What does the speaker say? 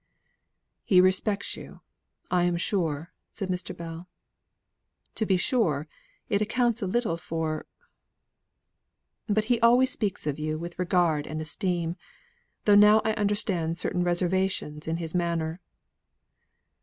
"He respects you, I am sure," said Mr. Bell. "To be sure it accounts a little for . But he always speaks of you with regard and esteem, though now I understand certain reservations in his manner."